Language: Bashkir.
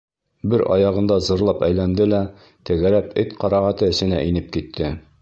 Бер аяғында зырлап әйләнде лә тәгәрәп эт ҡарағаты эсенә инеп китте.